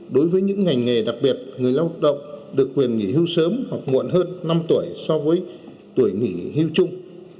đối với những ngành nghề đặc biệt người lao động được quyền nghỉ hưu sớm hoặc muộn hơn năm tuổi so với tuổi nghỉ hưu chung